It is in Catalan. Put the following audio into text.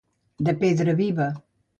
De pedra viva.